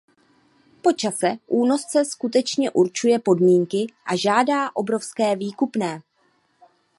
Po čase únosce skutečně určuje podmínky a žádá obrovské výkupné.